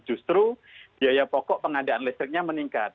justru biaya pokok pengadaan listriknya meningkat